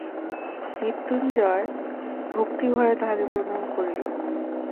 মৃত্যুঞ্জয় ভক্তিভরে তাহাকে প্রণাম করিল।